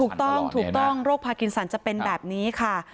ถูกต้องถูกต้องโรคพากินสันจะเป็นแบบนี้ค่ะ